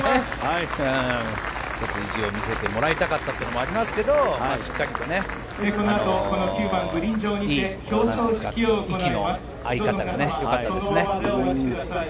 ちょっと意地を見せてもらいたかったところもありますけどしっかりと、いい息の合い方がよかったですね。